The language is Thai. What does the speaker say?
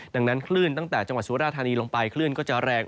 ดังนั้นคลื่นตั้งแต่จังหวัดสุราธานีลงไปคลื่นก็จะแรง